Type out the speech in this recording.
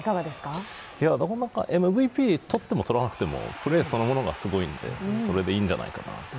ＭＶＰ取っても取らなくてもプレーそのものがすごいので、それでいいんじゃないかなと。